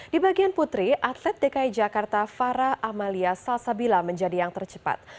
di bagian putri atlet dki jakarta farah amalia salsabila menjadi yang tercepat